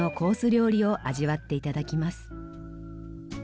料理を味わって頂きます。